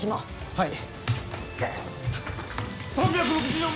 はい。